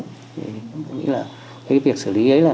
thì tôi nghĩ là cái việc xử lý ấy là